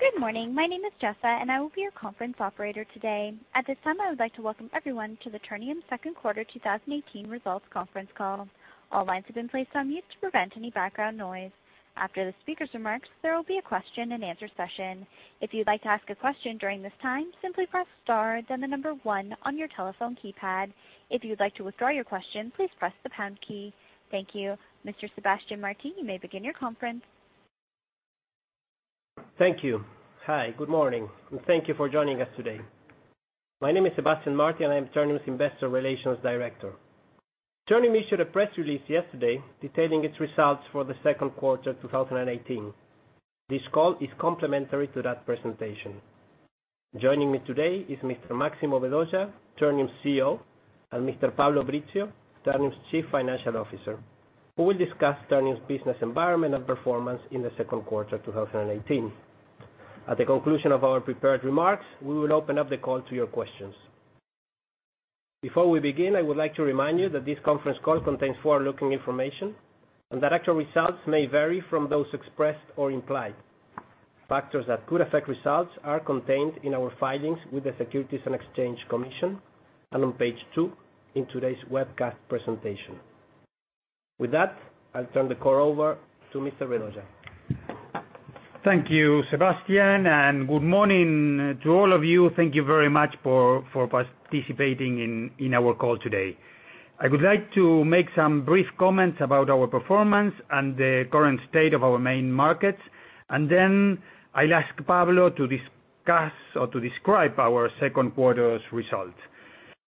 Good morning. My name is Jessa, and I will be your conference operator today. At this time, I would like to welcome everyone to the Ternium Second Quarter 2018 Results Conference Call. All lines have been placed on mute to prevent any background noise. After the speaker's remarks, there will be a question and answer session. If you'd like to ask a question during this time, simply press star then the number one on your telephone keypad. If you'd like to withdraw your question, please press the pound key. Thank you. Mr. Sebastián Martí, you may begin your conference. Thank you. Hi, good morning, and thank you for joining us today. My name is Sebastián Martí, and I'm Ternium's Investor Relations Director. Ternium issued a press release yesterday detailing its results for the second quarter of 2018. This call is complementary to that presentation. Joining me today is Mr. Maximo Vedoya, Ternium's CEO, and Mr. Pablo Brizzio, Ternium's Chief Financial Officer, who will discuss Ternium's business environment and performance in the second quarter of 2018. At the conclusion of our prepared remarks, we will open up the call to your questions. Before we begin, I would like to remind you that this conference call contains forward-looking information and that actual results may vary from those expressed or implied. Factors that could affect results are contained in our filings with the Securities and Exchange Commission and on page two in today's webcast presentation. With that, I'll turn the call over to Mr. Vedoya. Thank you, Sebastián, good morning to all of you. Thank you very much for participating in our call today. I would like to make some brief comments about our performance and the current state of our main markets. Then I'll ask Pablo to discuss or to describe our second quarter's results.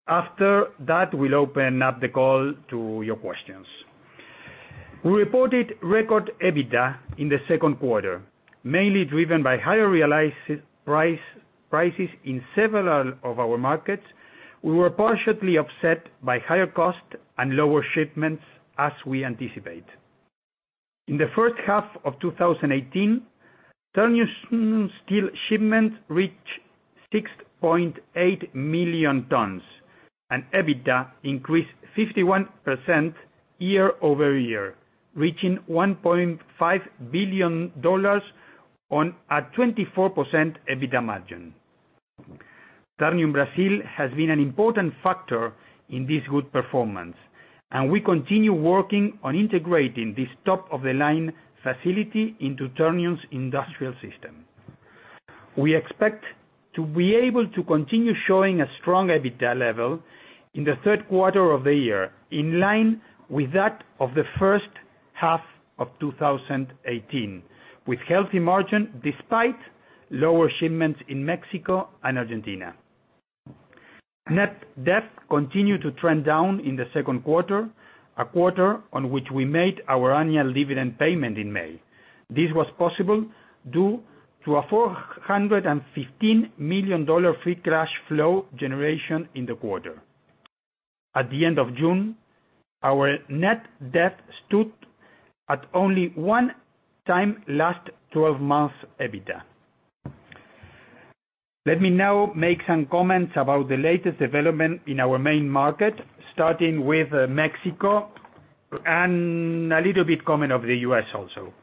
After that, we'll open up the call to your questions. We reported record EBITDA in the second quarter, mainly driven by higher realized prices in several of our markets. We were partially offset by higher costs and lower shipments as we anticipate. In the first half of 2018, Ternium steel shipments reached 6.8 million tons, and EBITDA increased 51% year-over-year, reaching $1.5 billion on a 24% EBITDA margin. Ternium Brasil has been an important factor in this good performance, and we continue working on integrating this top-of-the-line facility into Ternium's industrial system. We expect to be able to continue showing a strong EBITDA level in the third quarter of the year, in line with that of the first half of 2018, with healthy margin despite lower shipments in Mexico and Argentina. Net debt continued to trend down in the second quarter, a quarter on which we made our annual dividend payment in May. This was possible due to a $415 million free cash flow generation in the quarter. At the end of June, our net debt stood at only one-time last 12 months EBITDA. Let me now make some comments about the latest development in our main market, starting with Mexico, and a little bit comment of the U.S. also.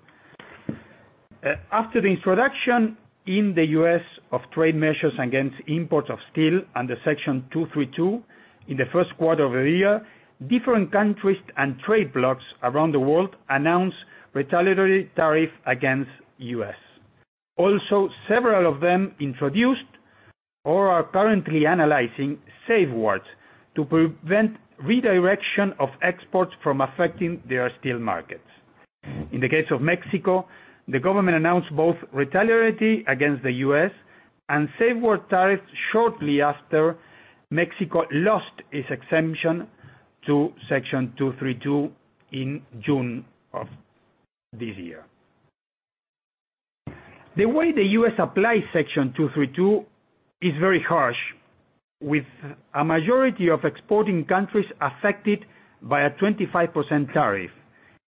After the introduction in the U.S. of trade measures against imports of steel under Section 232 in the first quarter of the year, different countries and trade blocks around the world announced retaliatory tariff against U.S. Also, several of them introduced or are currently analyzing safeguards to prevent redirection of exports from affecting their steel markets. In the case of Mexico, the government announced both retaliatory against the U.S. and safeguard tariffs shortly after Mexico lost its exemption to Section 232 in June of this year. The way the U.S. applies Section 232 is very harsh, with a majority of exporting countries affected by a 25% tariff,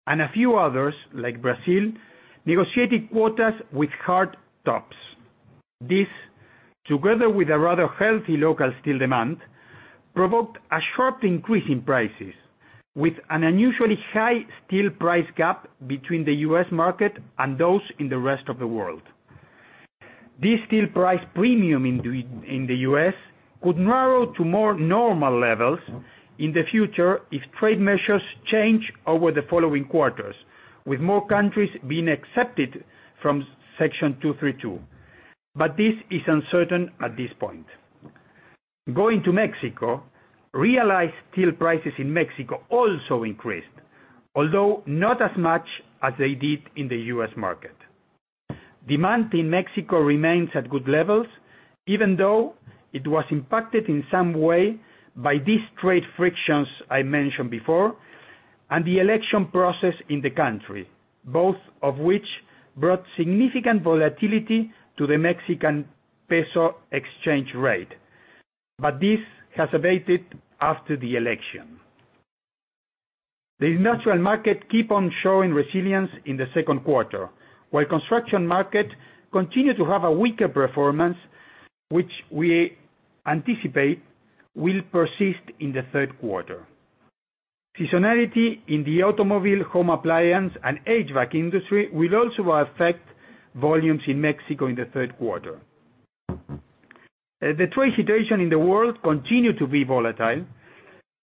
and a few others, like Brazil, negotiated quotas with hard tops. This, together with a rather healthy local steel demand, provoked a sharp increase in prices, with an unusually high steel price gap between the U.S. market and those in the rest of the world. This steel price premium in the U.S. could narrow to more normal levels in the future if trade measures change over the following quarters, with more countries being excepted from Section 232. This is uncertain at this point. Going to Mexico, realized steel prices in Mexico also increased, although not as much as they did in the U.S. market. Demand in Mexico remains at good levels, even though it was impacted in some way by these trade frictions I mentioned before and the election process in the country, both of which brought significant volatility to the Mexican peso exchange rate. This has abated after the election. The industrial market keep on showing resilience in the second quarter, while construction market continue to have a weaker performance, which we anticipate will persist in the third quarter. Seasonality in the automobile, home appliance, and HVAC industry will also affect volumes in Mexico in the third quarter. The trade situation in the world continue to be volatile.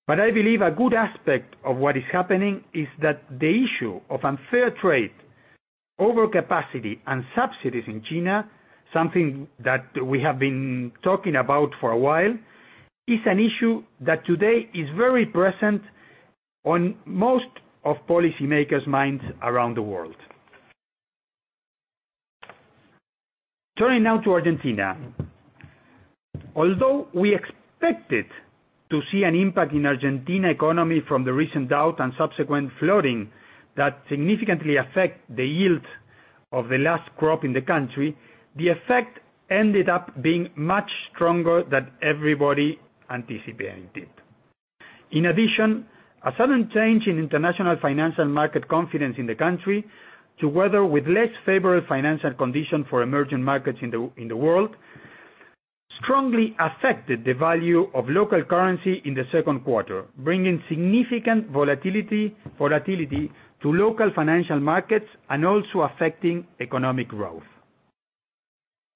I believe a good aspect of what is happening is that the issue of unfair trade, overcapacity, and subsidies in China, something that we have been talking about for a while, is an issue that today is very present on most of policymakers minds around the world. Turning now to Argentina. Although we expected to see an impact in Argentina economy from the recent drought and subsequent flooding that significantly affect the yield of the last crop in the country, the effect ended up being much stronger than everybody anticipated. In addition, a sudden change in international financial market confidence in the country, together with less favorable financial conditions for emerging markets in the world, strongly affected the value of local currency in the second quarter, bringing significant volatility to local financial markets and also affecting economic growth.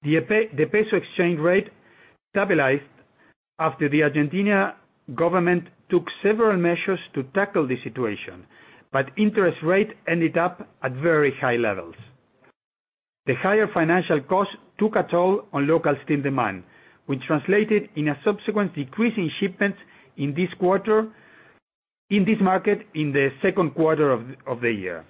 The peso exchange rate stabilized after the Argentina government took several measures to tackle the situation, but interest rate ended up at very high levels. The higher financial cost took a toll on local steel demand, which translated in a subsequent decrease in shipments in this market in the second quarter of the year,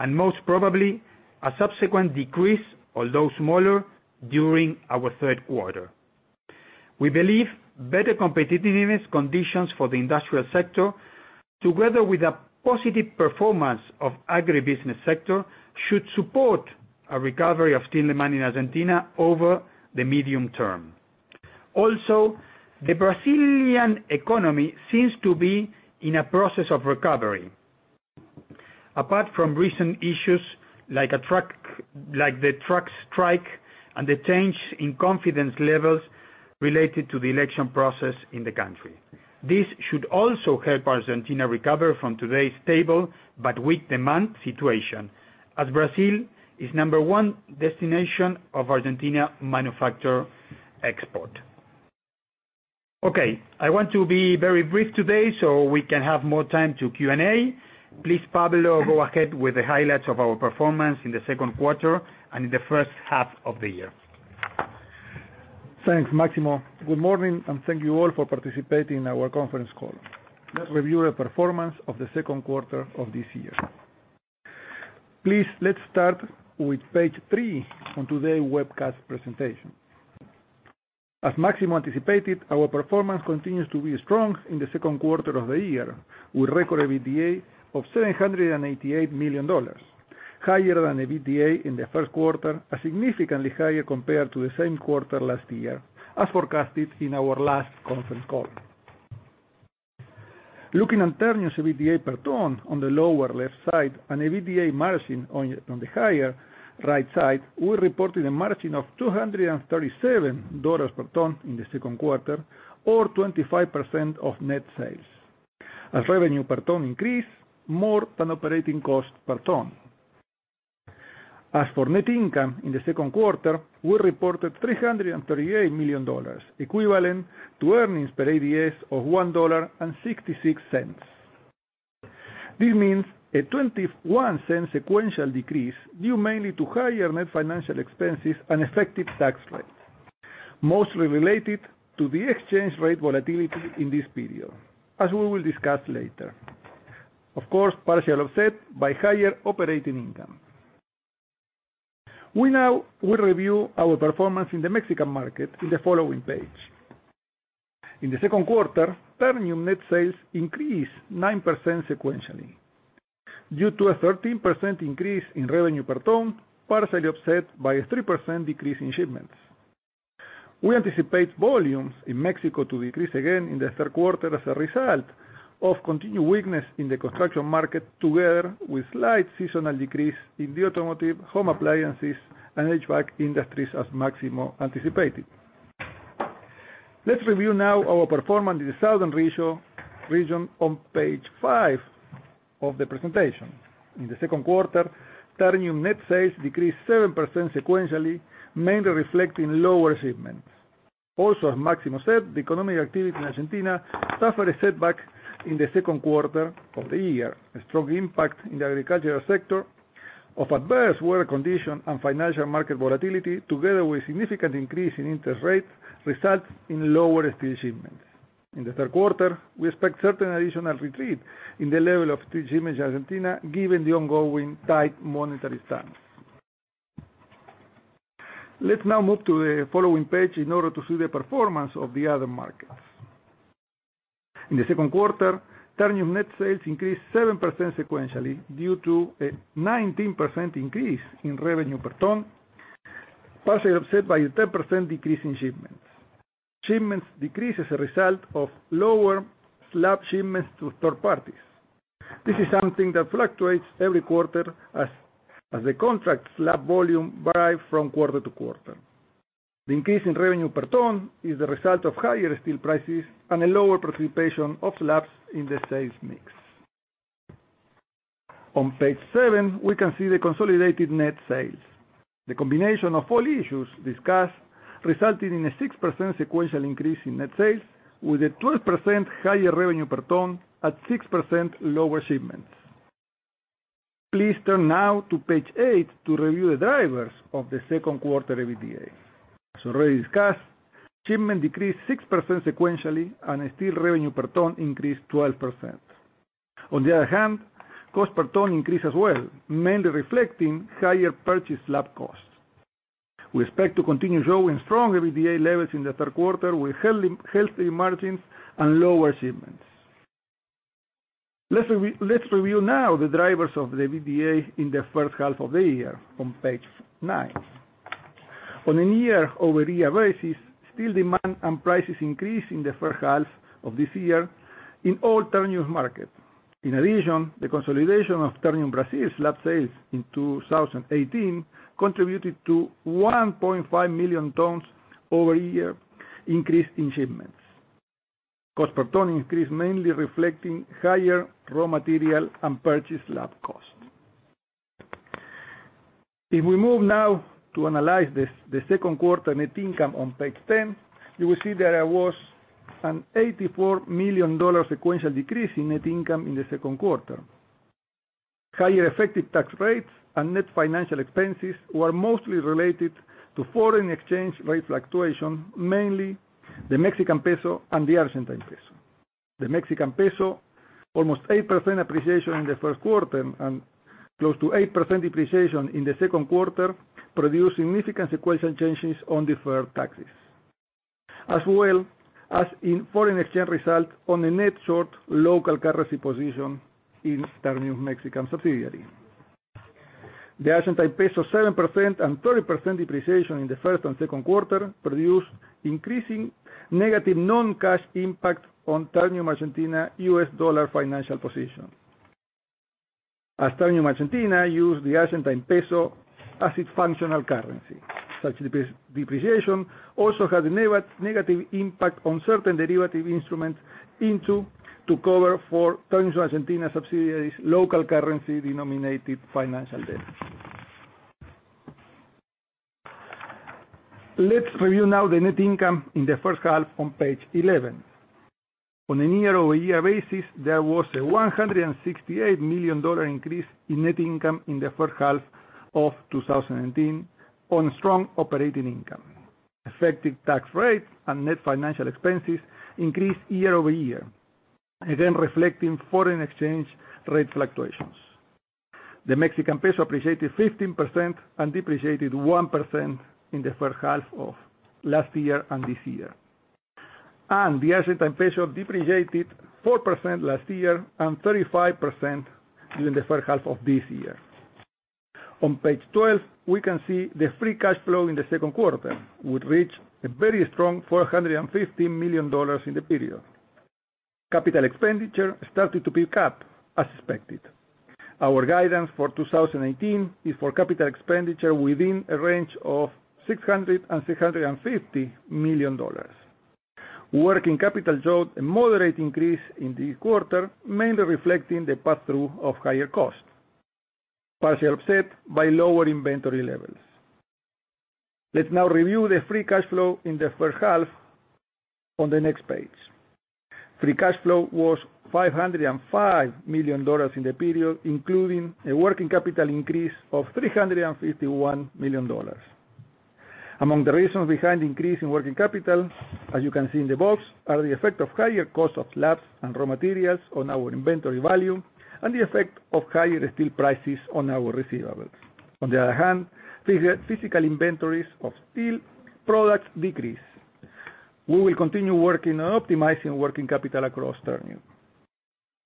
and most probably a subsequent decrease, although smaller, during our third quarter. We believe better competitiveness conditions for the industrial sector, together with a positive performance of agribusiness sector, should support a recovery of steel demand in Argentina over the medium term. The Brazilian economy seems to be in a process of recovery. Apart from recent issues like the truck strike and the change in confidence levels related to the election process in the country. This should also help Argentina recover from today's stable but weak demand situation, as Brazil is number 1 destination of Argentina manufacture export. Okay, I want to be very brief today so we can have more time to Q&A. Please, Pablo, go ahead with the highlights of our performance in the second quarter and in the first half of the year. Thanks, Máximo. Good morning, and thank you all for participating in our conference call. Let's review the performance of the second quarter of this year. Please, let's start with page three on today webcast presentation. As Máximo anticipated, our performance continues to be strong in the second quarter of the year. We record EBITDA of $788 million, higher than the EBITDA in the first quarter, and significantly higher compared to the same quarter last year, as forecasted in our last conference call. Looking at Ternium's EBITDA per ton on the lower left side, and EBITDA margin on the higher right side, we reported a margin of $237 per ton in the second quarter, or 25% of net sales. As revenue per ton increased more than operating cost per ton. As for net income in the second quarter, we reported $338 million, equivalent to earnings per ADS of $1.66. This means a $0.21 sequential decrease, due mainly to higher net financial expenses and effective tax rates, mostly related to the exchange rate volatility in this period, as we will discuss later. Partial offset by higher operating income. We now will review our performance in the Mexican market in the following page. In the second quarter, Ternium net sales increased 9% sequentially due to a 13% increase in revenue per ton, partially offset by a 3% decrease in shipments. We anticipate volumes in Mexico to decrease again in the third quarter as a result of continued weakness in the construction market, together with slight seasonal decrease in the automotive, home appliances, and HVAC industries, as Máximo anticipated. Let's review now our performance in the southern region on page five of the presentation. In the second quarter, Ternium net sales decreased 7% sequentially, mainly reflecting lower shipments. Also, as Máximo said, the economic activity in Argentina suffered a setback in the second quarter of the year. A strong impact in the agricultural sector of adverse weather condition and financial market volatility, together with significant increase in interest rates, results in lower steel shipments. In the third quarter, we expect certain additional retreat in the level of steel shipments in Argentina given the ongoing tight monetary stance. Let's now move to the following page in order to see the performance of the other markets. In the second quarter, Ternium net sales increased 7% sequentially due to a 19% increase in revenue per ton, partially offset by a 10% decrease in shipments. Shipments decrease as a result of lower slab shipments to third parties. This is something that fluctuates every quarter as the contract slab volume vary from quarter to quarter. The increase in revenue per ton is the result of higher steel prices and a lower participation of slabs in the sales mix. On page seven, we can see the consolidated net sales. The combination of all issues discussed resulted in a 6% sequential increase in net sales, with a 12% higher revenue per ton at 6% lower shipments. Please turn now to page eight to review the drivers of the second quarter EBITDA. As already discussed, shipment decreased 6% sequentially, and steel revenue per ton increased 12%. On the other hand, cost per ton increased as well, mainly reflecting higher purchase slab costs. We expect to continue showing strong EBITDA levels in the third quarter with healthy margins and lower shipments. Let's review now the drivers of the EBITDA in the first half of the year on page nine. On a year-over-year basis, steel demand and prices increased in the first half of this year in all Ternium markets. In addition, the consolidation of Ternium Brasil slab sales in 2018 contributed to 1.5 million tons year-over-year increase in shipments. Cost per ton increased mainly reflecting higher raw material and purchased slab cost. If we move now to analyze the second quarter net income on page 10, you will see there was an $84 million sequential decrease in net income in the second quarter. Higher effective tax rates and net financial expenses were mostly related to foreign exchange rate fluctuation, mainly the Mexican peso and the Argentine peso. The Mexican peso, almost 8% appreciation in the first quarter and close to 8% depreciation in the second quarter, produced significant sequential changes on deferred taxes, as well as in foreign exchange result on a net short local currency position in Ternium Mexican subsidiary. The Argentine peso, 7% and 30% depreciation in the first and second quarter, produced increasing negative non-cash impact on Ternium Argentina U.S. dollar financial position. As Ternium Argentina used the Argentine peso as its functional currency, such depreciation also had a negative impact on certain derivative instruments into to cover for Ternium Argentina subsidiaries' local currency denominated financial debt. Let's review now the net income in the first half on page 11. On a year-over-year basis, there was a $168 million increase in net income in the first half of 2018 on strong operating income. Effective tax rate and net financial expenses increased year-over-year, again reflecting foreign exchange rate fluctuations. The Mexican peso appreciated 15% and depreciated 1% in the first half of last year and this year. The Argentine peso depreciated 4% last year and 35% during the first half of this year. On page 12, we can see the free cash flow in the second quarter, which reached a very strong $450 million in the period. Capital expenditure started to pick up as expected. Our guidance for 2018 is for capital expenditure within a range of $600 million-$650 million. Working capital showed a moderate increase in the quarter, mainly reflecting the pass-through of higher costs, partially offset by lower inventory levels. Let's now review the free cash flow in the first half on the next page. Free cash flow was $505 million in the period, including a working capital increase of $351 million. Among the reasons behind the increase in working capital, as you can see in the box, are the effect of higher cost of slabs and raw materials on our inventory value and the effect of higher steel prices on our receivables. On the other hand, physical inventories of steel products decreased. We will continue working on optimizing working capital across Ternium.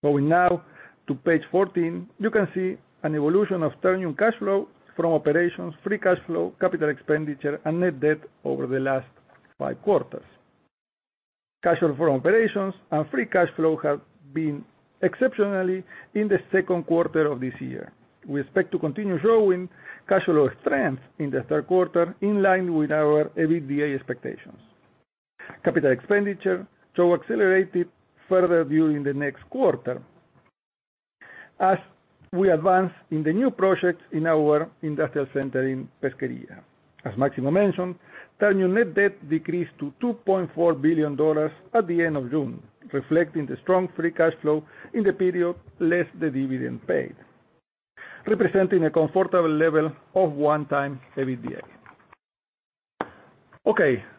Going now to page 14, you can see an evolution of Ternium cash flow from operations, free cash flow, capital expenditure, and net debt over the last five quarters. Cash flow from operations and free cash flow have been exceptional in the second quarter of this year. We expect to continue showing cash flow strength in the third quarter, in line with our EBITDA expectations. Capital expenditure should accelerate further during the next quarter as we advance in the new projects in our industrial center in Pesquería. As Máximo mentioned, Ternium net debt decreased to $2.4 billion at the end of June, reflecting the strong free cash flow in the period less the dividend paid, representing a comfortable level of one time EBITDA.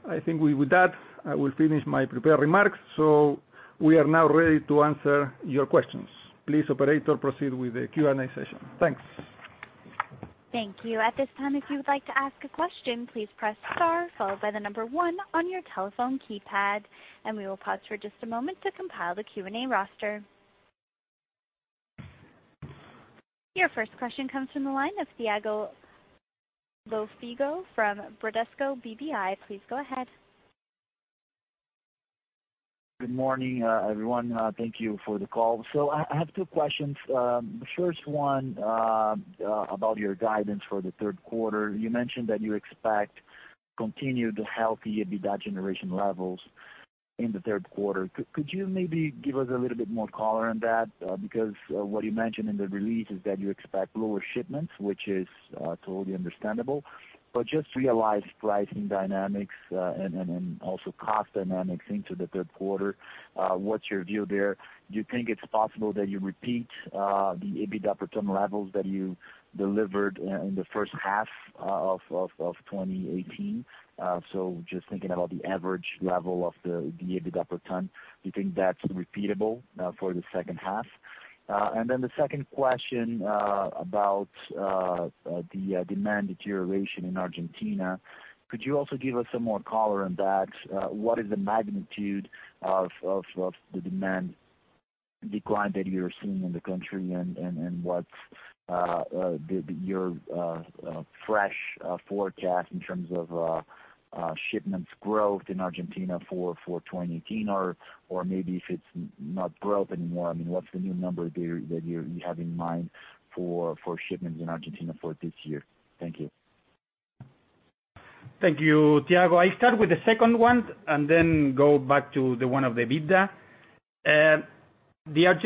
I think with that, I will finish my prepared remarks. We are now ready to answer your questions. Please, operator, proceed with the Q&A session. Thanks. Thank you. At this time, if you would like to ask a question, please press star followed by the number one on your telephone keypad, and we will pause for just a moment to compile the Q&A roster. Your first question comes from the line of Thiago Lofiego from Bradesco BBI. Please go ahead. Good morning, everyone. Thank you for the call. I have two questions. The first one about your guidance for the third quarter. You mentioned that you expect continued healthy EBITDA generation levels in the third quarter. Could you maybe give us a little bit more color on that? Because what you mentioned in the release is that you expect lower shipments, which is totally understandable. Just realize pricing dynamics, and then also cost dynamics into the third quarter. What's your view there? Do you think it's possible that you repeat the EBITDA per ton levels that you delivered in the first half of 2018? Just thinking about the average level of the EBITDA per ton, do you think that's repeatable for the second half? The second question, about the demand deterioration in Argentina. Could you also give us some more color on that? What is the magnitude of the demand decline that you're seeing in the country, and what's your fresh forecast in terms of shipments growth in Argentina for 2018? Maybe if it's not growth anymore, what's the new number there that you have in mind for shipments in Argentina for this year? Thank you. Thank you, Thiago. I start with the second one and then go back to the one of the EBITDA. The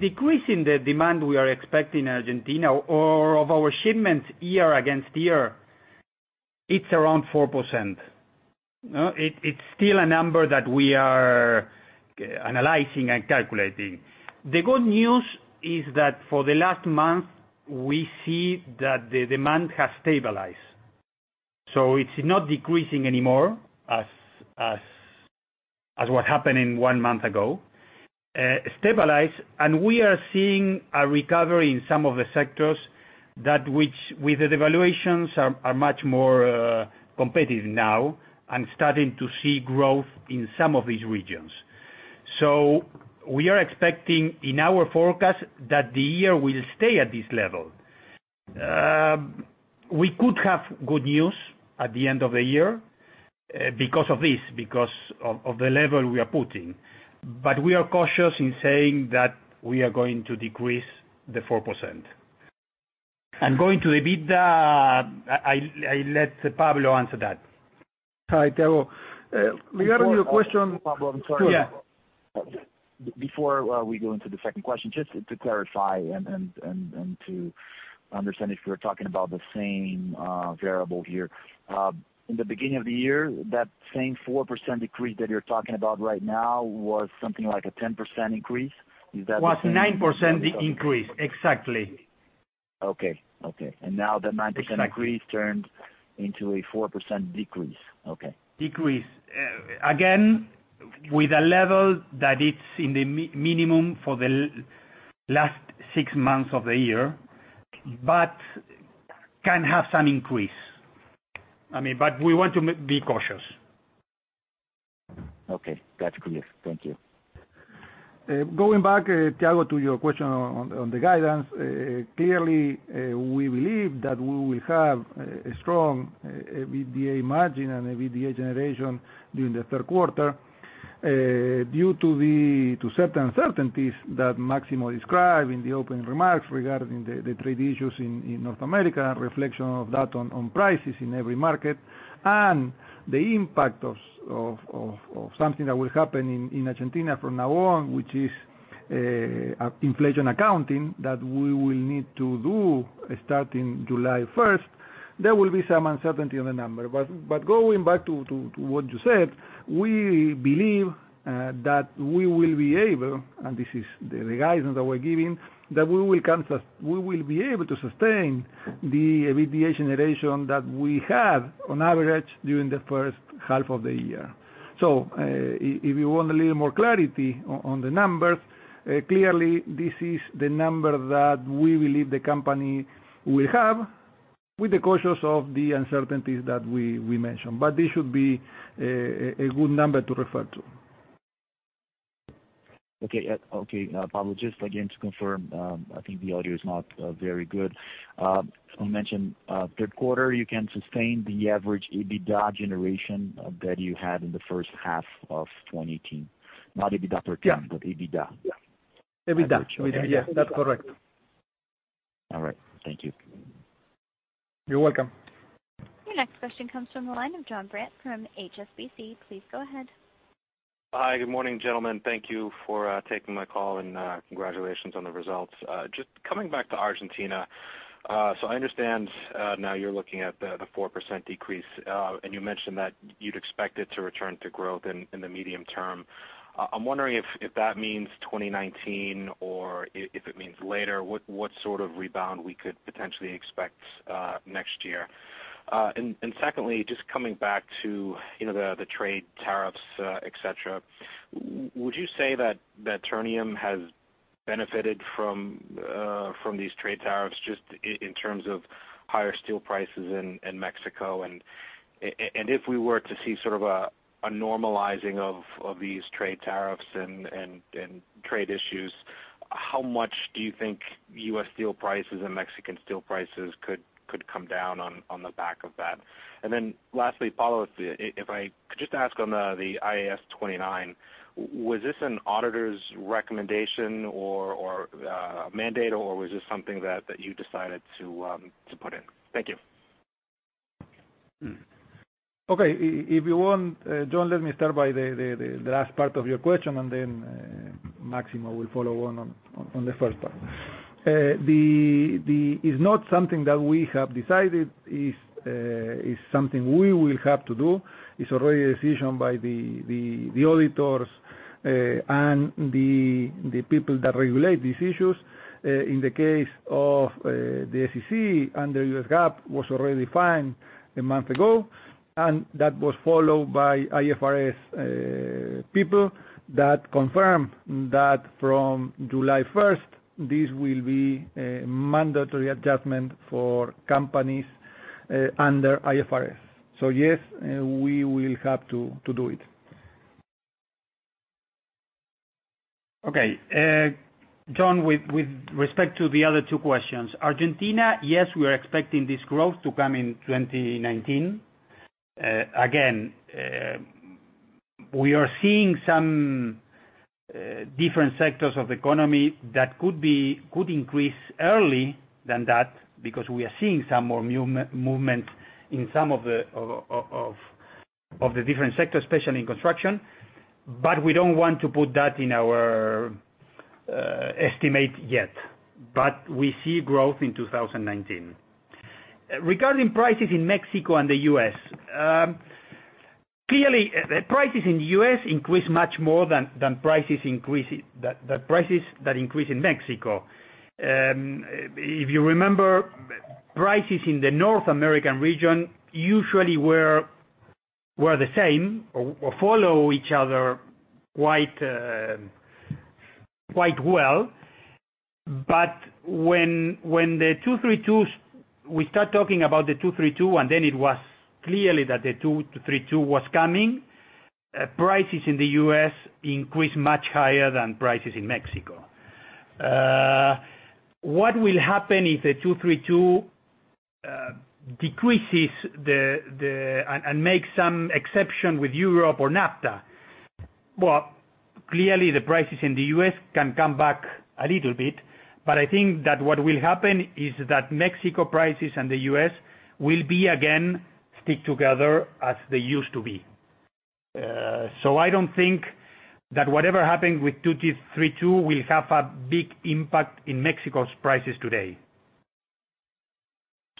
decrease in the demand we are expecting in Argentina or of our shipments year against year, it's around 4%. It's still a number that we are analyzing and calculating. The good news is that for the last month, we see that the demand has stabilized. It's not decreasing anymore as what happened in one month ago. Stabilized, and we are seeing a recovery in some of the sectors that with the devaluations, are much more competitive now and starting to see growth in some of these regions. We are expecting in our forecast that the year will stay at this level. We could have good news at the end of the year because of this, because of the level we are putting. We are cautious in saying that we are going to decrease the 4%. Going to EBITDA, I let Pablo answer that. Hi, Thiago. Regarding your question. Pablo, I'm sorry. Yeah. Before we go into the second question, just to clarify and to understand if we're talking about the same variable here. In the beginning of the year, that same 4% decrease that you're talking about right now was something like a 10% increase. Is that the same? Was 9% increase. Exactly. Okay. Now the 9% increase turned into a 4% decrease. Okay. Decrease. Again, with a level that it's in the minimum for the last 6 months of the year, but can have some increase. We want to be cautious. Okay. That's clear. Thank you. Going back, Thiago, to your question on the guidance. Clearly, we believe that we will have a strong EBITDA margin and EBITDA generation during the third quarter. Due to certain uncertainties that Maximo described in the opening remarks regarding the trade issues in North America, reflection of that on prices in every market, and the impact of something that will happen in Argentina from now on, which is inflation accounting that we will need to do starting July 1st. There will be some uncertainty on the number. Going back to what you said, we believe that we will be able, and this is the guidance that we're giving, that we will be able to sustain the EBITDA generation that we have on average during the first half of the year. If you want a little more clarity on the numbers, clearly this is the number that we believe the company will have with the cautious of the uncertainties that we mentioned. This should be a good number to refer to. Okay. Pablo, just again to confirm, I think the audio is not very good. You mentioned third quarter, you can sustain the average EBITDA generation that you had in the first half of 2018. Not EBITDA per ton. Yeah. EBITDA. Yeah. EBITDA. I'm not sure. Okay. That's correct. All right. Thank you. You're welcome. Your next question comes from the line of Jonathan Brandt from HSBC. Please go ahead. Hi. Good morning, gentlemen. Thank you for taking my call, and congratulations on the results. Just coming back to Argentina. I understand now you're looking at the 4% decrease. You mentioned that you'd expect it to return to growth in the medium term. I'm wondering if that means 2019 or if it means later, what sort of rebound we could potentially expect next year? Secondly, just coming back to the trade tariffs, et cetera. Would you say that Ternium has benefited from these trade tariffs just in terms of higher steel prices in Mexico? If we were to see sort of a normalizing of these trade tariffs and trade issues, how much do you think U.S. steel prices and Mexican steel prices could come down on the back of that? Lastly, follow-up, if I could just ask on the IAS 29, was this an auditor's recommendation or mandate, or was this something that you decided to put in? Thank you. Okay, If you want, John, let me start by the last part of your question, Maximo will follow on on the first part. It's not something that we have decided, it's something we will have to do. It's already a decision by the auditors and the people that regulate these issues. In the case of the SEC under US GAAP, was already fine a month ago, That was followed by IFRS people that confirmed that from July 1st, this will be a mandatory adjustment for companies under IFRS. Yes, we will have to do it. John, with respect to the other two questions. Argentina, yes, we are expecting this growth to come in 2019. Again, we are seeing some different sectors of the economy that could increase earlier than that because we are seeing some more movement in some of the different sectors, especially in construction. We don't want to put that in our estimate yet. We see growth in 2019. Regarding prices in Mexico and the U.S., clearly, the prices in the U.S. increased much more than prices that increased in Mexico. If you remember, prices in the North American region usually were the same or follow each other quite well. When we start talking about the 232, and then it was clearly that the 232 was coming, prices in the U.S. increased much higher than prices in Mexico. What will happen if the 232 decreases and makes some exception with Europe or NAFTA? Clearly the prices in the U.S. can come back a little bit, but I think that what will happen is that Mexico prices and the U.S. will be again stick together as they used to be. I don't think that whatever happened with 232 will have a big impact in Mexico's prices today.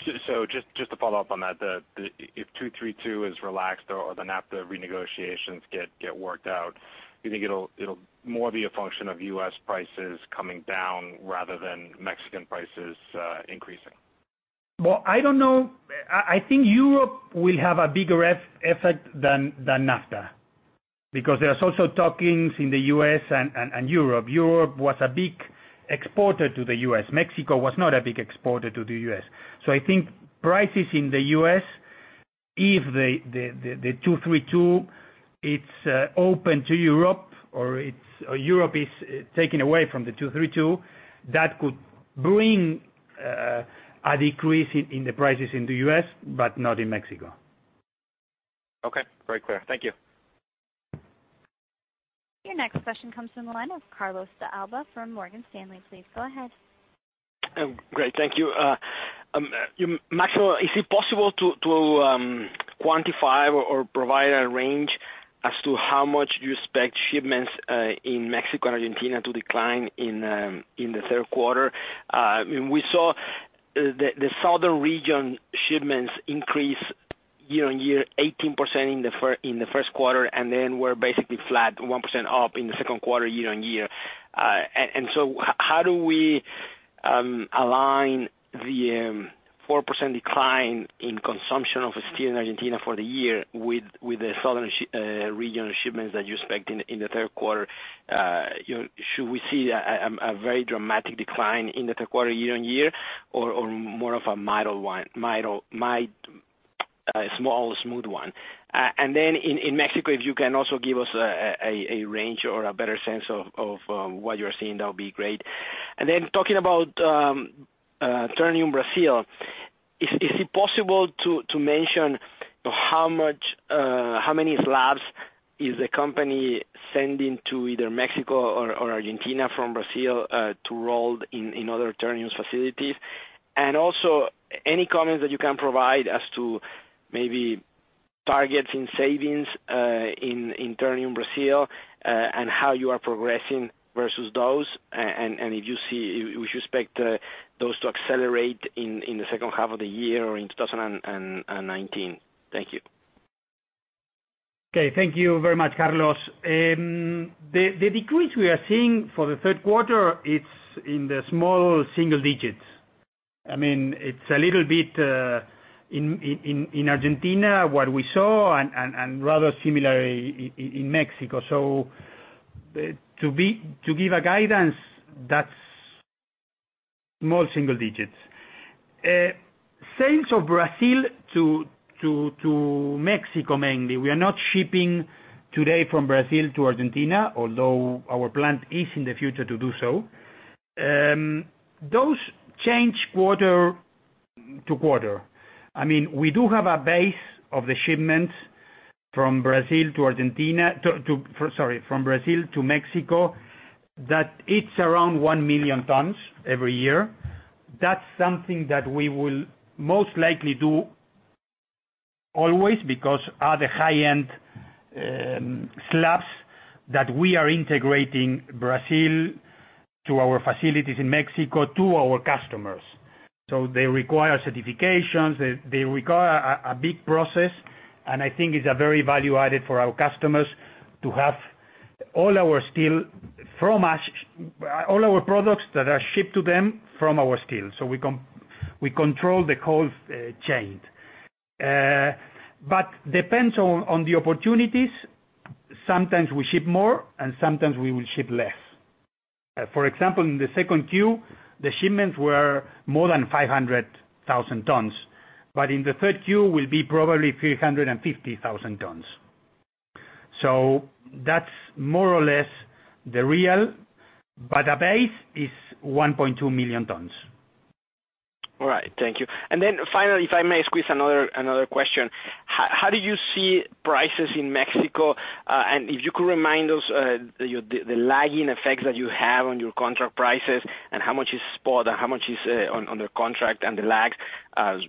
Just to follow up on that, if 232 is relaxed or the NAFTA renegotiations get worked out, you think it'll more be a function of U.S. prices coming down rather than Mexican prices increasing? I don't know. I think Europe will have a bigger effect than NAFTA, because there is also talkings in the U.S. and Europe. Europe was a big exporter to the U.S. Mexico was not a big exporter to the U.S. I think prices in the U.S., if the 232 is open to Europe, or Europe is taken away from the 232, that could bring a decrease in the prices in the U.S., but not in Mexico. Okay. Very clear. Thank you. Your next question comes from the line of Carlos de Alba from Morgan Stanley. Please go ahead. Great. Thank you. Maximo, is it possible to quantify or provide a range as to how much you expect shipments in Mexico and Argentina to decline in the third quarter? We saw the southern region shipments increase year-on-year 18% in the first quarter, and then were basically flat, 1% up in the second quarter, year-on-year. So how do we align the 4% decline in consumption of steel in Argentina for the year with the southern regional shipments that you expect in the third quarter? Should we see a very dramatic decline in the third quarter year-on-year or more of a mild, small, smooth one? Then in Mexico, if you can also give us a range or a better sense of what you're seeing, that would be great. Then talking about Ternium Brasil, is it possible to mention how many slabs is the company sending to either Mexico or Argentina from Brazil to roll in other Ternium facilities? Also, any comments that you can provide as to maybe targets in savings in Ternium Brasil, and how you are progressing versus those, and if you expect those to accelerate in the second half of the year or in 2019? Thank you. Okay. Thank you very much, Carlos. The decrease we are seeing for the third quarter, it is in the small single digits. It is a little bit in Argentina, what we saw, and rather similar in Mexico. To give a guidance, that is small single digits. Sales of Brazil to Mexico mainly. We are not shipping today from Brazil to Argentina, although our plan is in the future to do so. Those change quarter-to-quarter. We do have a base of the shipments from Brazil to Mexico, that it is around 1 million tons every year. That is something that we will most likely do always, because are the high-end slabs that we are integrating Brazil to our facilities in Mexico to our customers. They require certifications, they require a big process, and I think it is a very value-added for our customers to have all our products that are shipped to them from our steel. We control the whole chain. Depends on the opportunities. Sometimes we ship more, and sometimes we will ship less. For example, in the second Q, the shipments were more than 500,000 tons. In the third Q will be probably 350,000 tons. That is more or less the real. The base is 1.2 million tons. All right. Thank you. Finally, if I may squeeze another question. How do you see prices in Mexico? If you could remind us the lagging effects that you have on your contract prices and how much is spot and how much is on the contract and the lag,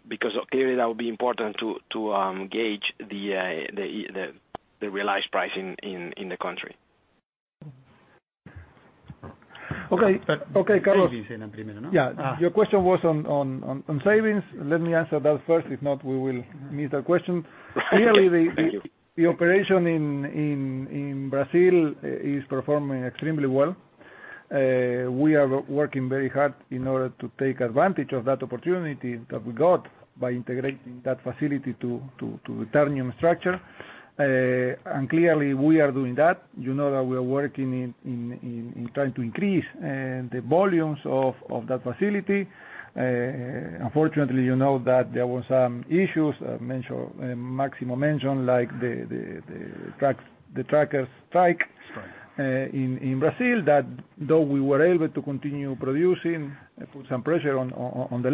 because clearly that would be important to gauge the realized pricing in the country. Okay, Carlos. Your question was on savings. Let me answer that first. If not, we will miss that question. Thank you. Clearly, the operation in Brazil is performing extremely well. We are working very hard in order to take advantage of that opportunity that we got by integrating that facility to the Ternium structure. Clearly we are doing that. You know that we are working in trying to increase the volumes of that facility. Unfortunately, you know that there were some issues Maximo mentioned, like the truckers' strike- Strike in Brazil that, though we were able to continue producing, put some pressure on the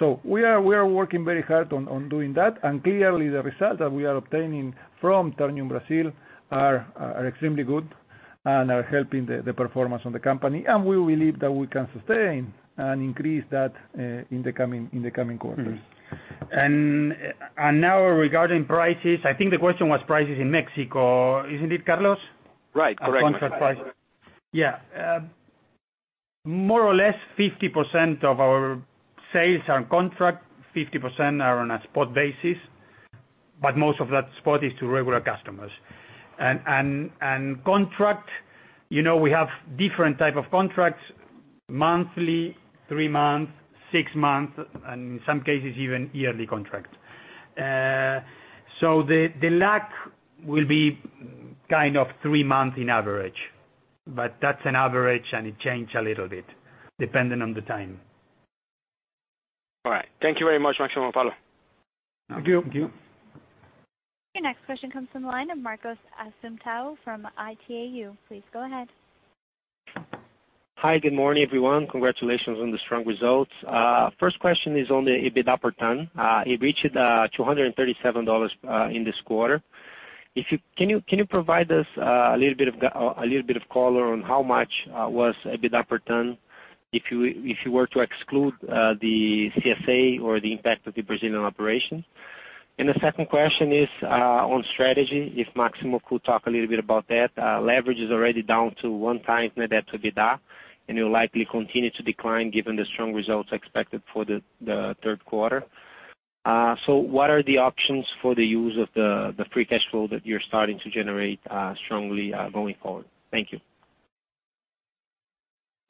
levels. We are working very hard on doing that. Clearly the results that we are obtaining from Ternium Brasil are extremely good and are helping the performance on the company. We believe that we can sustain and increase that in the coming quarters. Regarding prices, I think the question was prices in Mexico, isn't it, Carlos? Right. Correct. On contract price. Yeah. More or less 50% of our sales are on contract, 50% are on a spot basis. Most of that spot is to regular customers. Contract, we have different type of contracts: monthly, three months, six months, and in some cases even yearly contracts. The lag will be kind of three months in average. That's an average and it change a little bit depending on the time. All right. Thank you very much, Maximo and Pablo. Thank you. Thank you. Your next question comes from the line of Marcos Assumpção from Itaú. Please go ahead. Hi. Good morning, everyone. Congratulations on the strong results. First question is on the EBITDA per ton. It reached $237 in this quarter. Can you provide us a little bit of color on how much was EBITDA per ton if you were to exclude the CSA or the impact of the Brazilian operation? The second question is on strategy, if Maximo could talk a little bit about that. Leverage is already down to one times net debt to EBITDA, and it will likely continue to decline given the strong results expected for the third quarter. What are the options for the use of the free cash flow that you're starting to generate strongly going forward? Thank you.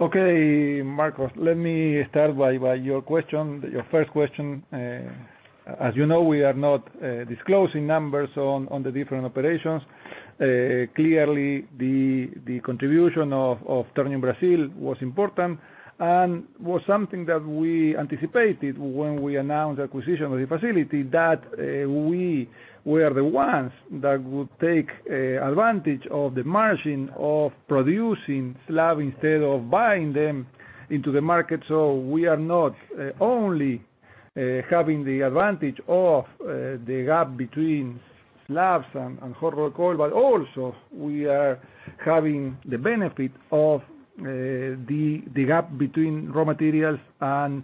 Okay, Marcos. Let me start by your first question. As you know, we are not disclosing numbers on the different operations. Clearly, the contribution of Ternium Brasil was important and was something that we anticipated when we announced the acquisition of the facility, that we were the ones that would take advantage of the margin of producing slab instead of buying them into the market. We are not only having the advantage of the gap between slabs and hot-rolled coil, but also we are having the benefit of the gap between raw materials and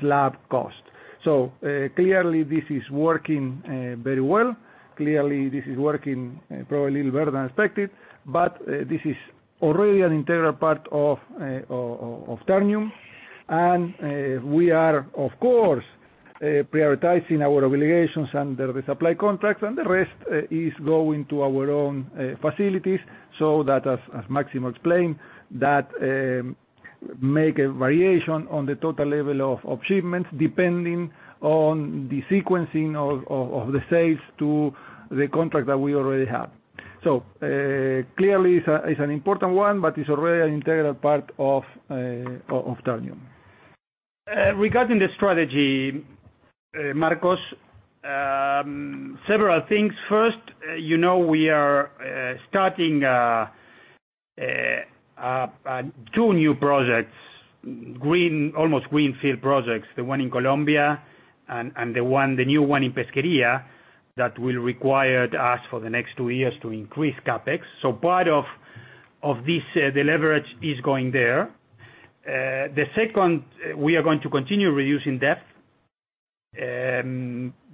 slab cost. Clearly this is working very well. Clearly this is working probably a little better than expected, but this is already an integral part of Ternium. We are, of course, prioritizing our obligations under the supply contracts, and the rest is going to our own facilities, that as Máximo explained, make a variation on the total level of shipments, depending on the sequencing of the sales to the contract that we already have. Clearly it's an important one, but it's already an integral part of Ternium. Regarding the strategy, Marcos, several things. First, you know we are starting two new projects, almost greenfield projects. The one in Colombia and the new one in Pesquería that will require us for the next two years to increase CapEx. Part of this, the leverage is going there. The second, we are going to continue reducing debt.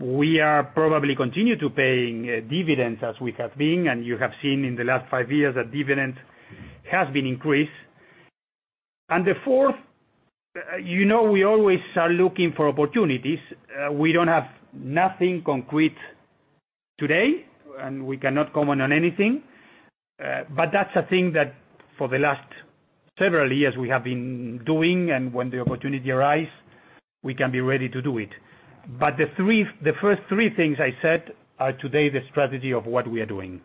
We are probably continue to paying dividends as we have been, and you have seen in the last five years that dividend has been increased. The fourth, you know we always are looking for opportunities. We don't have nothing concrete today, and we cannot comment on anything. That's a thing that for the last several years we have been doing, and when the opportunity arise, we can be ready to do it. The first three things I said are today the strategy of what we are doing.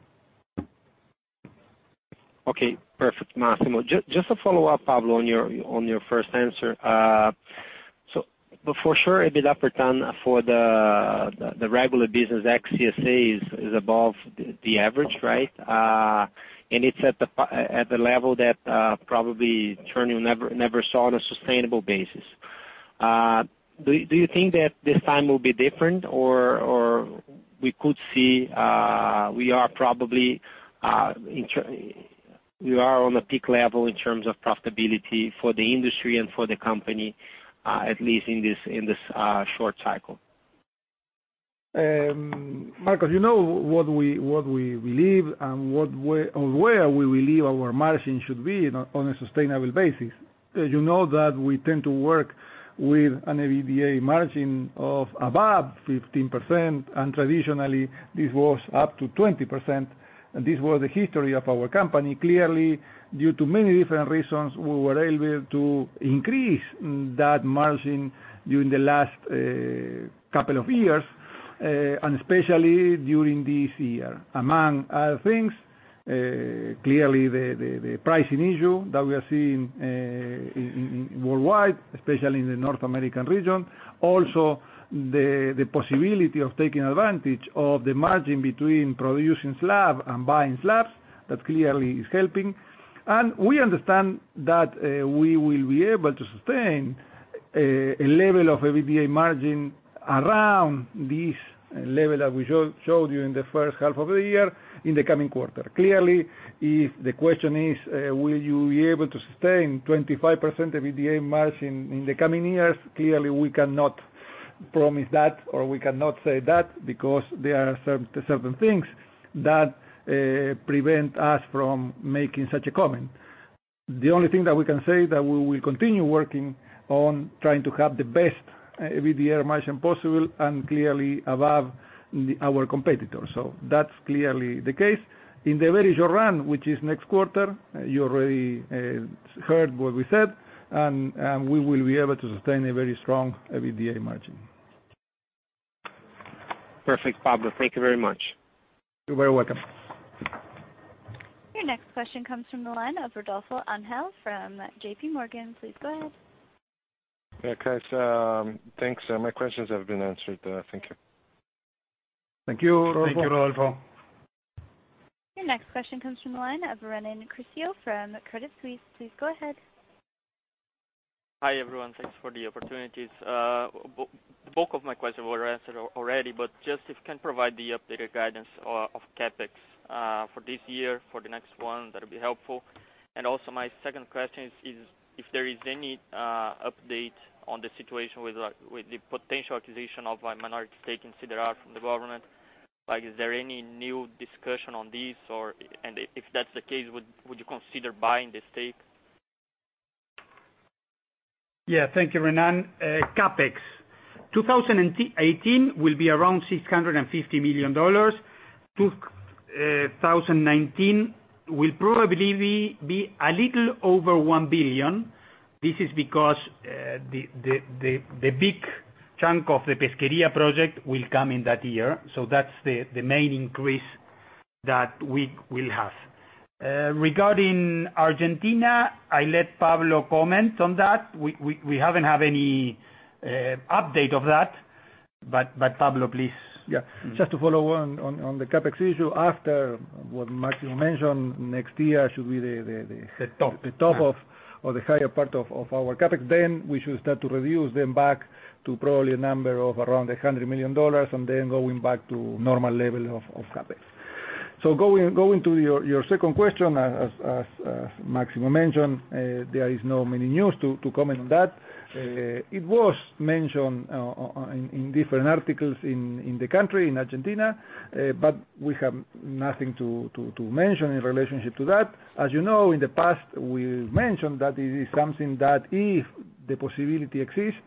Okay. Perfect, Máximo. Just to follow up, Pablo, on your first answer. For sure, EBITDA for the regular business ex CSA is above the average. Right? It's at the level that probably Ternium never saw on a sustainable basis. Do you think that this time will be different, or we could see we are on a peak level in terms of profitability for the industry and for the company, at least in this short cycle? Marcos, you know what we believe and where we believe our margin should be on a sustainable basis. You know that we tend to work with an EBITDA margin of above 15%, and traditionally this was up to 20%. This was the history of our company. Clearly, due to many different reasons, we were able to increase that margin during the last couple of years, and especially during this year. Among other things, clearly the pricing issue that we are seeing worldwide, especially in the North American region. Also the possibility of taking advantage of the margin between producing slab and buying slabs, that clearly is helping. We understand that we will be able to sustain a level of EBITDA margin around this level that we showed you in the first half of the year, in the coming quarter. Clearly, if the question is, "Will you be able to sustain 25% EBITDA margin in the coming years?" Clearly we cannot promise that, or we cannot say that because there are certain things that prevent us from making such a comment. The only thing that we can say, that we will continue working on trying to have the best EBITDA margin possible, and clearly above our competitors. That's clearly the case. In the very short run, which is next quarter, you already heard what we said, and we will be able to sustain a very strong EBITDA margin. Perfect, Pablo. Thank you very much. You're very welcome. Your next question comes from the line of Rodolfo Angele from J.P. Morgan. Please go ahead. Yeah, guys, thanks. My questions have been answered. Thank you. Thank you, Rodolfo. Thank you, Rodolfo. Your next question comes from the line of Renan Criscio from Credit Suisse. Please go ahead. Hi, everyone. Thanks for the opportunities. The bulk of my questions were answered already, but just if you can provide the updated guidance of CapEx for this year, for the next one, that'd be helpful. Also my second question is if there is any update on the situation with the potential acquisition of a minority stake in Siderar from the government. Is there any new discussion on this? If that's the case, would you consider buying the stake? Thank you, Renan. CapEx. 2018 will be around $650 million. 2019 will probably be a little over $1 billion. This is because the big chunk of the Pesquería project will come in that year. That's the main increase that we will have. Regarding Argentina, I let Pablo comment on that. We haven't had any update of that. Pablo, please. Just to follow on the CapEx issue. After what Maximo mentioned, next year should be the The top the top of, or the higher part of our CapEx. We should start to reduce them back to probably a number of around $100 million, and then going back to normal level of CapEx. Going to your second question, as Maximo mentioned, there is no many news to comment on that. It was mentioned in different articles in the country, in Argentina, but we have nothing to mention in relationship to that. As you know, in the past we mentioned that it is something that if the possibility exists,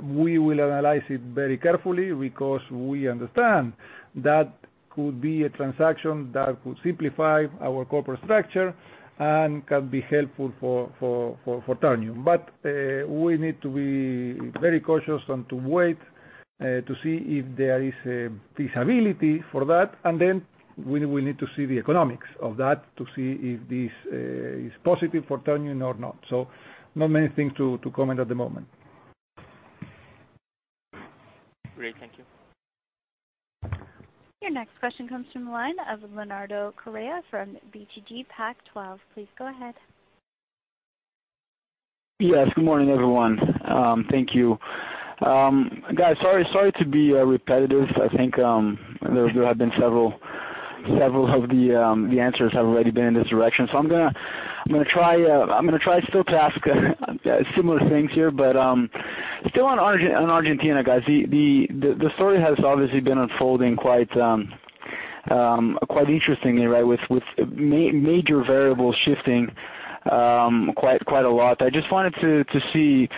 we will analyze it very carefully because we understand that could be a transaction that could simplify our corporate structure and can be helpful for Ternium. We need to be very cautious and to wait to see if there is feasibility for that, and then we will need to see the economics of that to see if this is positive for Ternium or not. Not many things to comment at the moment. Great. Thank you. Your next question comes from the line of Leonardo Correa from BTG Pactual. Please go ahead. Yes. Good morning, everyone. Thank you. Guys, sorry to be repetitive. I think there have been several of the answers have already been in this direction. I'm going to try still to ask similar things here, but still on Argentina, guys. The story has obviously been unfolding quite interestingly, with major variables shifting quite a lot. I just wanted to see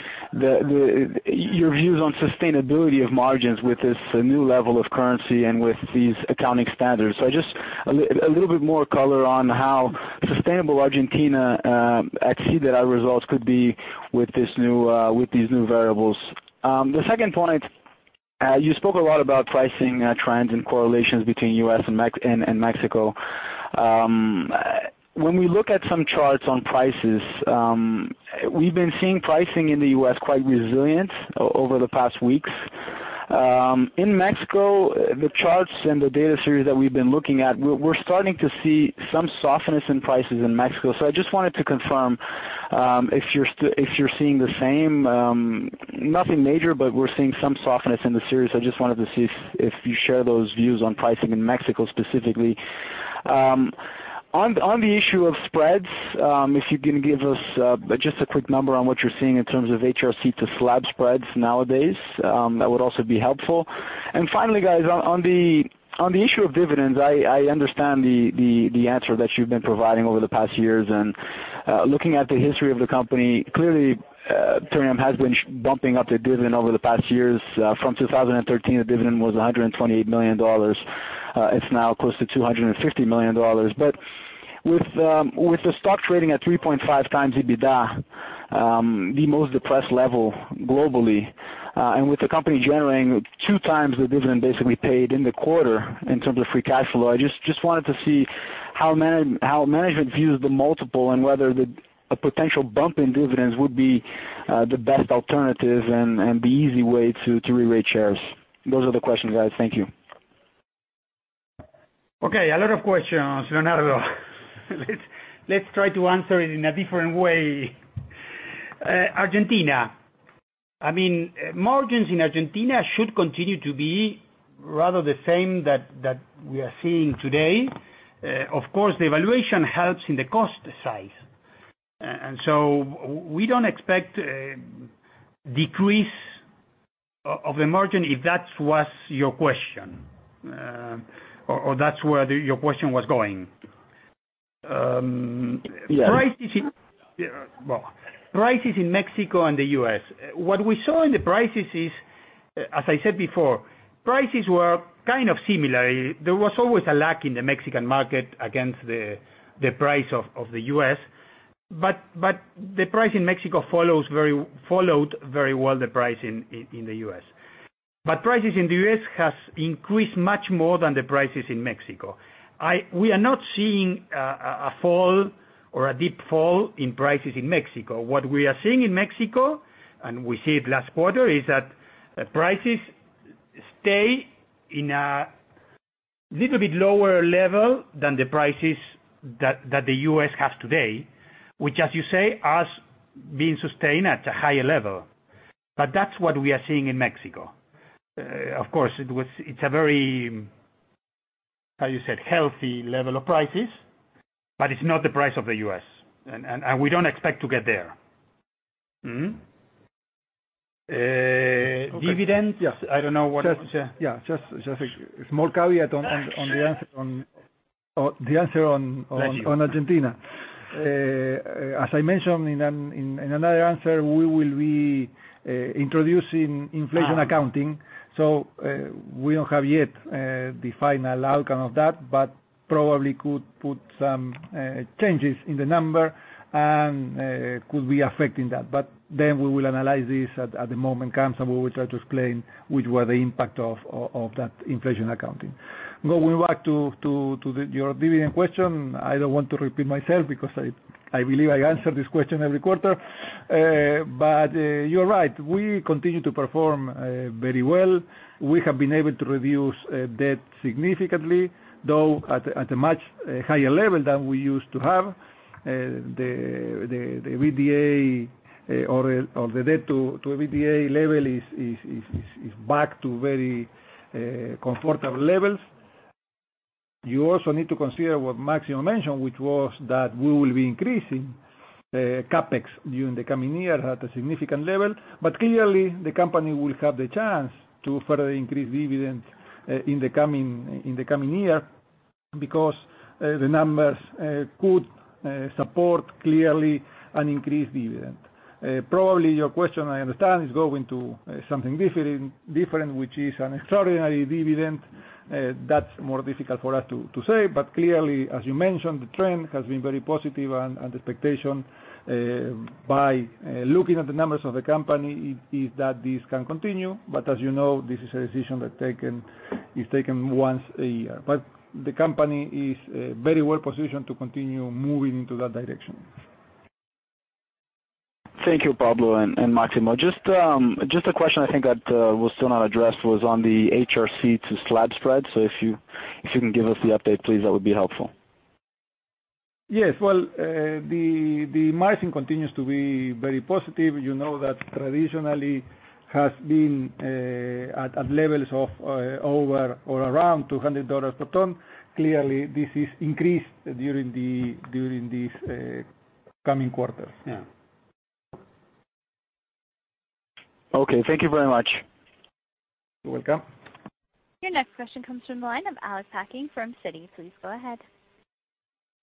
your views on sustainability of margins with this new level of currency and with these accounting standards. Just a little bit more color on how sustainable Argentina ex-CSA results could be with these new variables. The second point, you spoke a lot about pricing trends and correlations between U.S. and Mexico. When we look at some charts on prices, we've been seeing pricing in the U.S. quite resilient over the past weeks. In Mexico, the charts and the data series that we've been looking at, we're starting to see some softness in prices in Mexico. I just wanted to confirm if you're seeing the same. Nothing major, but we're seeing some softness in the series. I just wanted to see if you share those views on pricing in Mexico specifically. On the issue of spreads, if you can give us just a quick number on what you're seeing in terms of HRC to slab spreads nowadays, that would also be helpful. Finally, guys, on the issue of dividends, I understand the answer that you've been providing over the past years. Looking at the history of the company, clearly Ternium has been bumping up the dividend over the past years. From 2013, the dividend was $128 million. It's now close to $250 million. With the stock trading at 3.5 times EBITDA, the most depressed level globally, and with the company generating two times the dividend basically paid in the quarter in terms of free cash flow, I just wanted to see how management views the multiple, and whether a potential bump in dividends would be the best alternative and the easy way to rerate shares. Those are the questions, guys. Thank you. Okay. A lot of questions, Leonardo. Let's try to answer it in a different way. Argentina. Margins in Argentina should continue to be rather the same that we are seeing today. Of course, the valuation helps in the cost side. We don't expect a decrease of the margin, if that was your question, or that's where your question was going. Yes. Prices in Mexico and the U.S. What we saw in the prices is, as I said before, prices were kind of similar. There was always a lag in the Mexican market against the price of the U.S. The price in Mexico followed very well the price in the U.S. Prices in the U.S. has increased much more than the prices in Mexico. We are not seeing a fall or a deep fall in prices in Mexico. What we are seeing in Mexico, and we see it last quarter, is that prices stay in a little bit lower level than the prices that the U.S. has today, which as you say, has been sustained at a higher level. That's what we are seeing in Mexico. Of course, it's a very, how you said, healthy level of prices, but it's not the price of the U.S., and we don't expect to get there. Dividends? I don't know what- Yes. Just a small caveat on the answer on Argentina. As I mentioned in another answer, we will be introducing inflation accounting. We don't have yet the final outcome of that, but probably could put some changes in the number and could be affecting that. We will analyze this at the moment comes, and we will try to explain which were the impact of that inflation accounting. Going back to your dividend question, I don't want to repeat myself because I believe I answer this question every quarter. You're right. We continue to perform very well. We have been able to reduce debt significantly, though at a much higher level than we used to have. The EBITDA or the debt to EBITDA level is back to very comfortable levels. You also need to consider what Maximo mentioned, which was that we will be increasing CapEx during the coming year at a significant level. Clearly, the company will have the chance to further increase dividends in the coming year because the numbers could support clearly an increased dividend. Probably your question, I understand, is going to something different, which is an extraordinary dividend. That's more difficult for us to say. Clearly, as you mentioned, the trend has been very positive, and the expectation, by looking at the numbers of the company, is that this can continue. As you know, this is a decision that is taken once a year. The company is very well positioned to continue moving into that direction. Thank you, Pablo and Maximo. Just a question I think that was still not addressed was on the HRC to slab spread. If you can give us the update, please, that would be helpful. Yes. The margin continues to be very positive. You know that traditionally has been at levels of over or around $200 per ton. Clearly, this has increased during these coming quarters. Thank you very much. You're welcome. Your next question comes from the line of Alex Hacking from Citi. Please go ahead.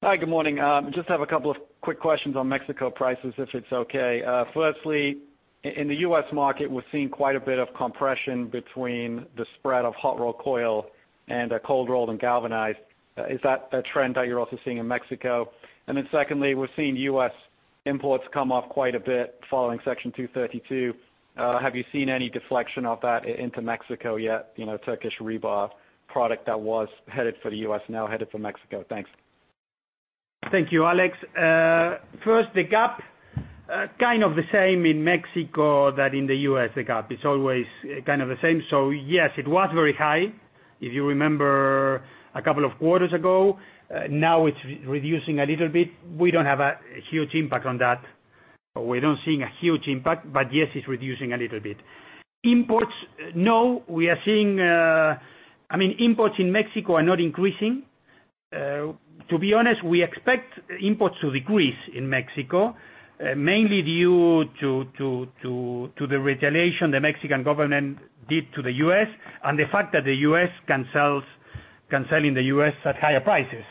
Hi, good morning. Just have a couple of quick questions on Mexico prices, if it's okay. Firstly, in the U.S. market, we're seeing quite a bit of compression between the spread of hot-rolled coil and cold rolled and galvanized. Is that a trend that you're also seeing in Mexico? Secondly, we're seeing U.S. imports come off quite a bit following Section 232. Have you seen any deflection of that into Mexico yet? Turkish rebar product that was headed for the U.S. now headed for Mexico. Thanks. Thank you, Alex. First, the gap, kind of the same in Mexico that in the U.S., the gap. It's always kind of the same. Yes, it was very high, if you remember a couple of quarters ago. Now it's reducing a little bit. We don't have a huge impact on that. We're not seeing a huge impact, but yes, it's reducing a little bit. Imports, no. Imports in Mexico are not increasing. To be honest, we expect imports to decrease in Mexico, mainly due to the retaliation the Mexican government did to the U.S., and the fact that the U.S. can sell in the U.S. at higher prices.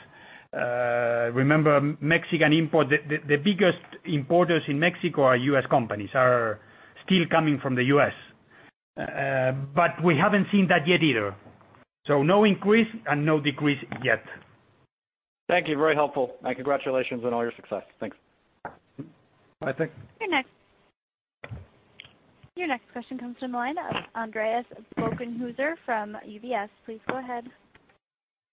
Remember, the biggest importers in Mexico are U.S. companies, are still coming from the U.S. We haven't seen that yet either. No increase and no decrease yet. Thank you. Very helpful. Congratulations on all your success. Thanks. Bye, thanks. Your next question comes from the line of Andreas Bokkenheuser from UBS. Please go ahead.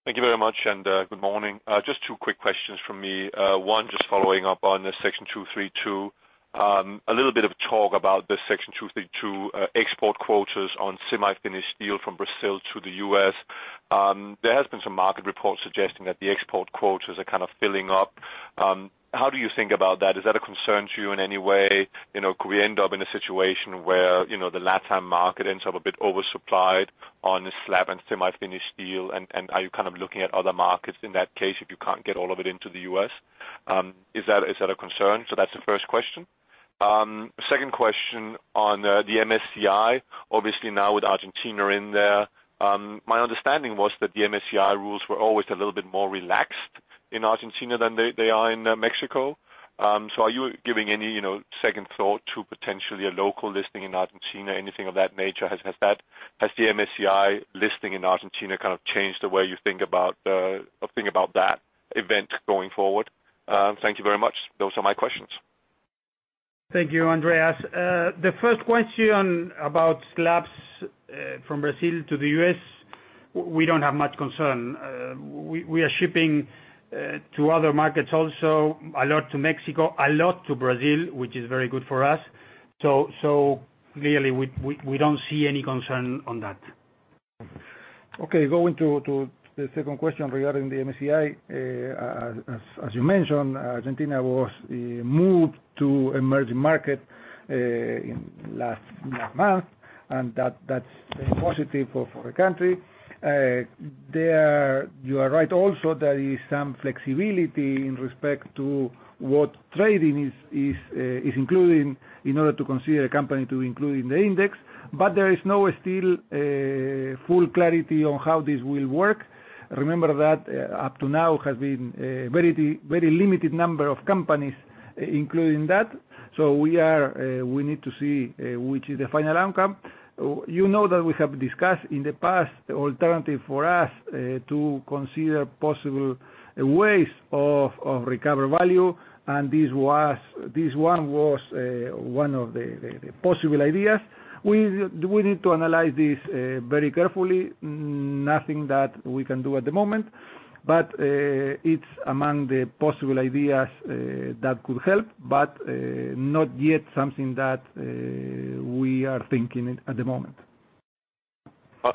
Thank you very much. Good morning. Just two quick questions from me. One, just following up on Section 232. A little bit of talk about the Section 232 export quotas on semi-finished steel from Brazil to the U.S. There has been some market reports suggesting that the export quotas are kind of filling up. How do you think about that? Is that a concern to you in any way? Could we end up in a situation where the LatAm market ends up a bit oversupplied on slab and semi-finished steel, and are you looking at other markets in that case if you can't get all of it into the U.S.? Is that a concern? That's the first question. Second question on the MSCI, obviously now with Argentina in there. My understanding was that the MSCI rules were always a little bit more relaxed in Argentina than they are in Mexico. Are you giving any second thought to potentially a local listing in Argentina, anything of that nature? Has the MSCI listing in Argentina changed the way you think about that event going forward? Thank you very much. Those are my questions. Thank you, Andreas. The first question about slabs from Brazil to the U.S., we don't have much concern. We are shipping to other markets also, a lot to Mexico, a lot to Brazil, which is very good for us. Clearly, we don't see any concern on that. Okay, going to the second question regarding the MSCI. As you mentioned, Argentina was moved to emerging market in last month, that's very positive for our country. You are right also, there is some flexibility in respect to what trading is included in order to consider a company to include in the index, there is no still full clarity on how this will work. Remember that up to now has been a very limited number of companies included in that. We need to see which is the final outcome. You know that we have discussed in the past the alternative for us to consider possible ways of recover value, this one was one of the possible ideas. We need to analyze this very carefully. Nothing that we can do at the moment, it's among the possible ideas that could help, not yet something that we are thinking at the moment.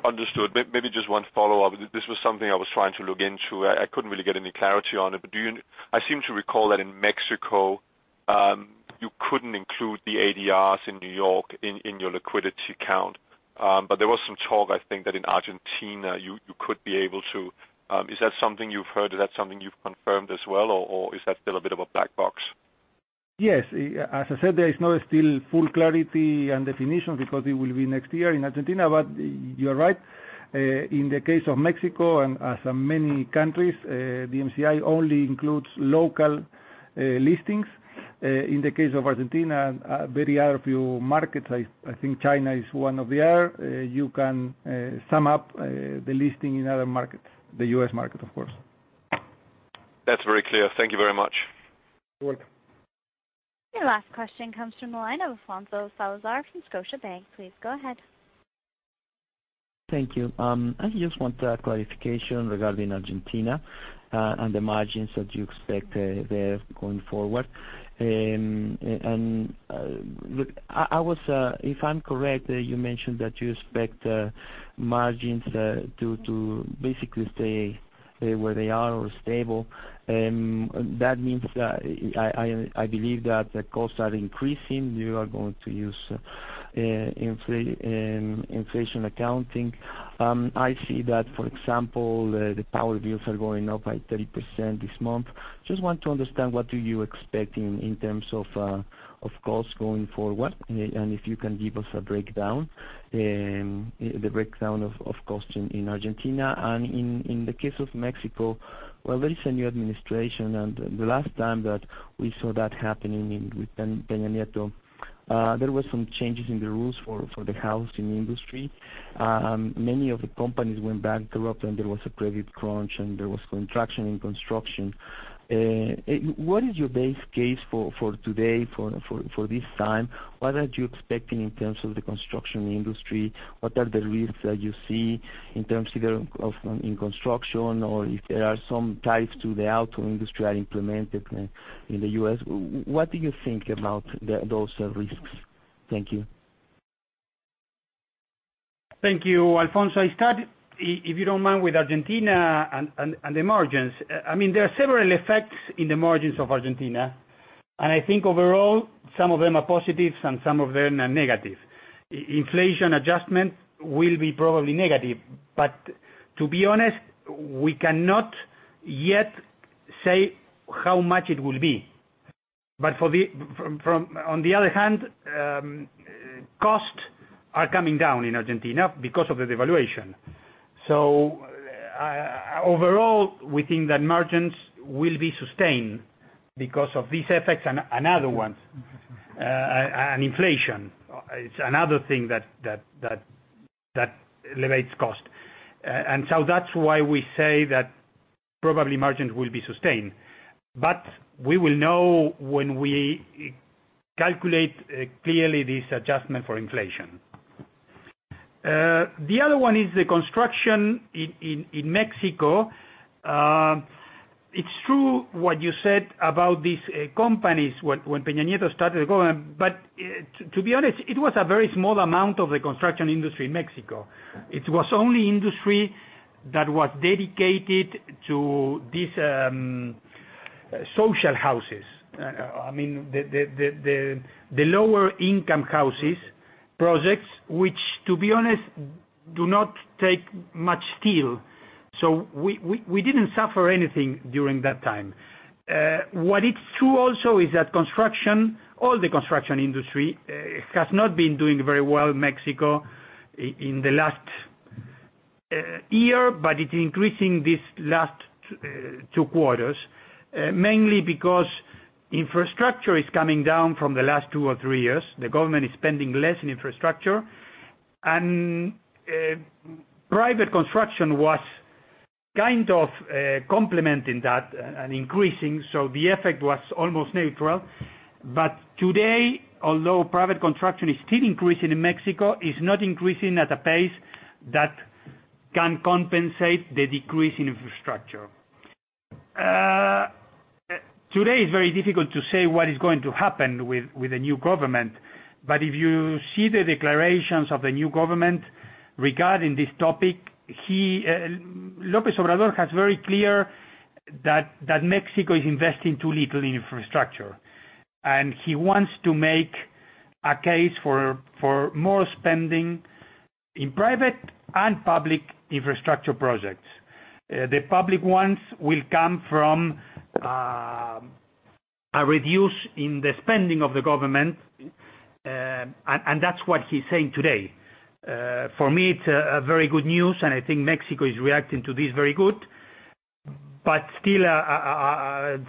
Understood. Maybe just one follow-up. This was something I was trying to look into. I couldn't really get any clarity on it. I seem to recall that in Mexico, you couldn't include the ADRs in New York in your liquidity count. There was some talk, I think, that in Argentina, you could be able to. Is that something you've heard? Is that something you've confirmed as well, or is that still a bit of a black box? Yes. As I said, there is not still full clarity and definition because it will be next year in Argentina. You are right. In the case of Mexico and as many countries, the MSCI only includes local listings. In the case of Argentina, very few markets, I think China is one of they are, you can sum up the listing in other markets. The U.S. market, of course. That's very clear. Thank you very much. You're welcome. Your last question comes from the line of Alfonso Salazar from Scotiabank. Please go ahead. Thank you. I just want a clarification regarding Argentina and the margins that you expect there going forward. If I'm correct, you mentioned that you expect margins to basically stay where they are or stable. That means, I believe that the costs are increasing. You are going to use inflation accounting. I see that, for example, the power bills are going up by 30% this month. Just want to understand what do you expect in terms of costs going forward? If you can give us a breakdown, the breakdown of cost in Argentina. In the case of Mexico, well, there is a new administration, the last time that we saw that happening with Peña Nieto, there were some changes in the rules for the housing industry. Many of the companies went bankrupt, there was a credit crunch, and there was contraction in construction. What is your base case for today, for this time? What are you expecting in terms of the construction industry? What are the risks that you see in terms of in construction or if there are some ties to the auto industry are implemented in the U.S., what do you think about those risks? Thank you. Thank you, Alfonso. I start, if you don't mind, with Argentina and the margins. There are several effects in the margins of Argentina, I think overall some of them are positives and some of them are negative. Inflation adjustment will be probably negative, to be honest, we cannot yet say how much it will be. On the other hand, costs are coming down in Argentina because of the devaluation. Overall, we think that margins will be sustained because of these effects and other ones. Inflation is another thing that elevates cost. That's why we say that probably margins will be sustained. We will know when we calculate clearly this adjustment for inflation. The other one is the construction in Mexico. It's true what you said about these companies when Peña Nieto started the government. To be honest, it was a very small amount of the construction industry in Mexico. It was only industry that was dedicated to these social houses. The lower-income houses projects, which, to be honest, do not take much steel. We didn't suffer anything during that time. What is true also is that construction, all the construction industry, has not been doing very well in Mexico in the last year, but it is increasing these last 2 quarters, mainly because infrastructure is coming down from the last 2 or 3 years. The government is spending less in infrastructure, and private construction was kind of complementing that and increasing. The effect was almost neutral. Today, although private construction is still increasing in Mexico, it is not increasing at a pace that can compensate the decrease in infrastructure. Today, it is very difficult to say what is going to happen with the new government. If you see the declarations of the new government regarding this topic, López Obrador has very clear that Mexico is investing too little in infrastructure, and he wants to make a case for more spending in private and public infrastructure projects. The public ones will come from a reduction in the spending of the government, and that is what he is saying today. For me, it is very good news, and I think Mexico is reacting to this very good. Still,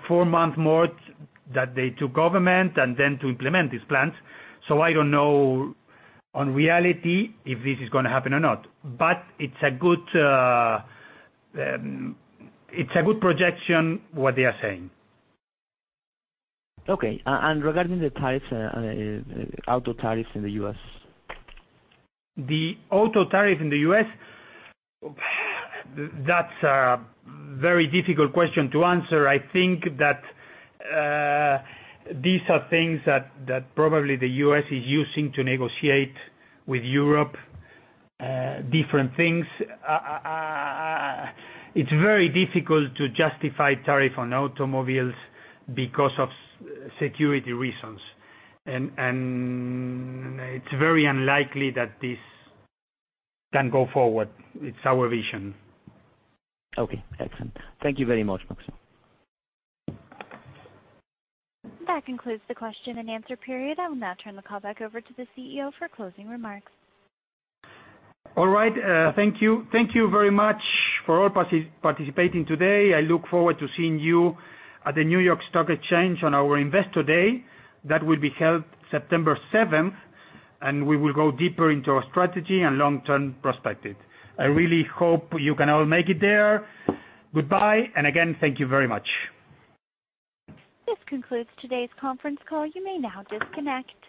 4 months more that they took government and then to implement these plans. I don't know in reality if this is going to happen or not. It is a good projection, what they are saying. Okay. Regarding the auto tariffs in the U.S. The auto tariff in the U.S., that is a very difficult question to answer. I think that these are things that probably the U.S. is using to negotiate with Europe different things. It is very difficult to justify tariff on automobiles because of security reasons. It is very unlikely that this can go forward. It is our vision. Okay, excellent. Thank you very much, Max. That concludes the question and answer period. I will now turn the call back over to the CEO for closing remarks. All right. Thank you very much for all participating today. I look forward to seeing you at the New York Stock Exchange on our Investor Day. That will be held September 7th, and we will go deeper into our strategy and long-term perspective. I really hope you can all make it there. Goodbye, and again, thank you very much. This concludes today's conference call. You may now disconnect.